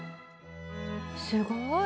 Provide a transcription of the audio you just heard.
すごい！